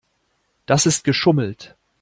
Das ist geschummelt.